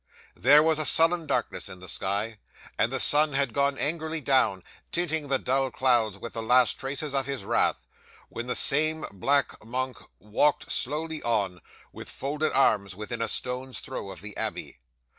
'There was a sullen darkness in the sky, and the sun had gone angrily down, tinting the dull clouds with the last traces of his wrath, when the same black monk walked slowly on, with folded arms, within a stone's throw of the abbey.